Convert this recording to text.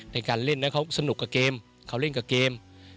ในการเล่นเขาสนุกกับเกมเขาเล่นกับเกม